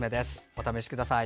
お試しください。